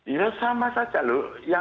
iya sama saja loh